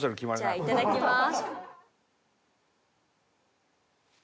じゃあいただきますよ。